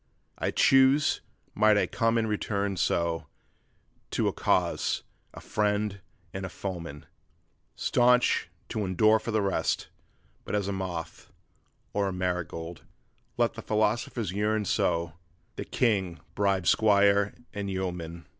'I choose, might I come and return so, to a cause, a friend and a foeman Staunch, to endure for the rest but as a moth, or a marigold! Let the philosophers yearn so, the king bribe squire and yeoman!